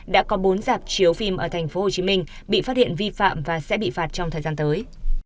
đã có bốn dạp chiếu phim ở tp hcm bị phát hiện vi phạm và sẽ bị phạt trong thời gian tới